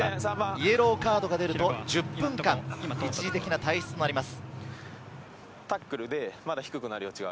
イエローカードが出ると１０分間の一時的な退出となります。